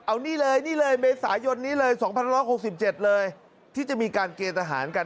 เอานี่เลยนี่เลยเมษายนนี้เลย๒๑๖๗เลยที่จะมีการเกณฑ์ทหารกัน